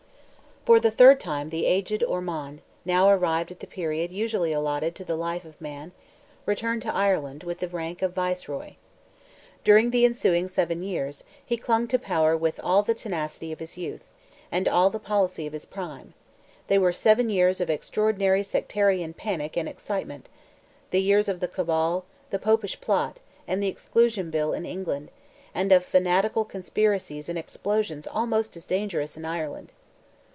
For the third time, the aged Ormond, now arrived at the period usually allotted to the life of man, returned to Ireland, with the rank of Viceroy. During the ensuing seven years, he clung to power with all the tenacity of his youth, and all the policy of his prime; they were seven years of extraordinary sectarian panic and excitement—the years of the Cabal, the Popish plot, and the Exclusion Bill, in England—and of fanatical conspiracies and explosions almost as dangerous in Ireland.